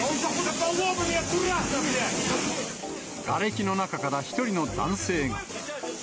がれきの中から一人の男性が。